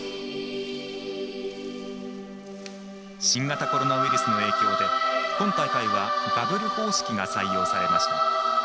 新型コロナウイルスの影響で今大会はバブル方式が採用されました。